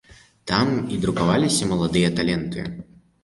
Там і друкаваліся маладыя таленты.